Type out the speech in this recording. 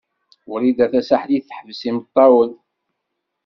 Wrida Tasaḥlit teḥbes imeṭṭawen.